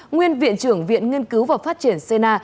nguyên viện trưởng viện nghiên cứu và phát triển cna